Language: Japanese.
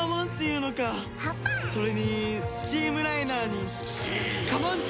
それにスチームライナーにカマンティスか！